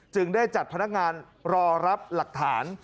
ได้จัดพนักงานรอรับหลักฐาน